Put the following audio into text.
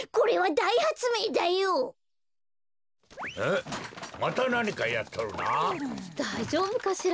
だいじょうぶかしら。